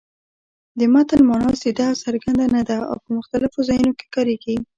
د متل مانا سیده او څرګنده نه ده او په مختلفو ځایونو کې کارېږي